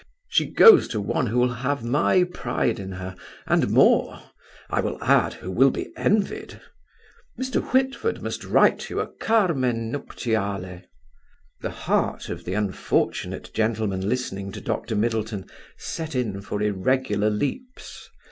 She goes to one who will have my pride in her, and more. I will add, who will be envied. Mr. Whitford must write you a Carmen Nuptiale." The heart of the unfortunate gentleman listening to Dr. Middleton set in for irregular leaps.